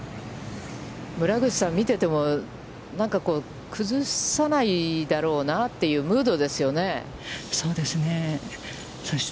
村口さん、見ててもなんか崩さないだろうなという、ムードですよね。